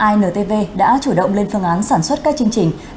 intv đã chủ động lên phương án sản xuất các chương trình